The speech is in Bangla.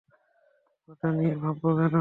ওটা নিয়ে ভাবব কেন?